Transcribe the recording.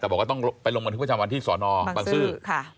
แต่บอกว่าต้องไปลงบันทึกประจำวันที่สอนอบังซื้อ